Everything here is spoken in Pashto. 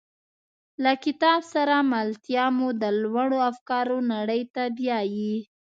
له کتاب سره ملتیا مو د لوړو افکارو نړۍ ته بیایي.